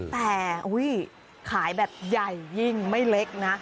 แต่ขายแบบใหญ่ยิ่งไม่เล็กนะ